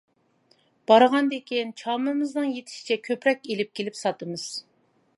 بارغاندىكىن، چامىمىزنىڭ يېتىشىچە كۆپرەك ئېلىپ كېلىپ ساتىمىز.